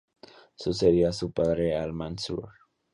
Sucedió a su padre Al-Mansur.